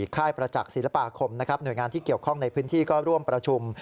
ค่ายประจักษ์ศิลปาคมนะครับหน่วยงานที่เกี่ยวข้องในพื้นที่ก็ร่วมประชุม